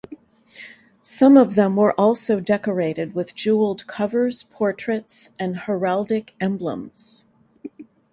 Some of them were also decorated with jewelled covers, portraits, and heraldic emblems.